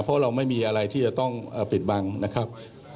เพราะเราไม่มีอะไรที่จะต้องปิดบังนะครับ